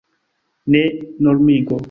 Ne normigo.